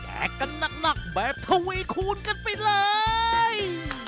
กันหนักแบบทวีคูณกันไปเลย